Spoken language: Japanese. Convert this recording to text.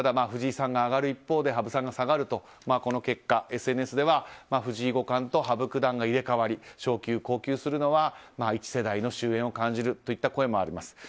藤井さんが上がる一方羽生さんが下がるというこの結果、ＳＮＳでは藤井五冠と羽生九段が入れ替わり、昇級降級するのは１世代の終焉を感じるという声もあります。